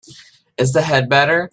Is the head better?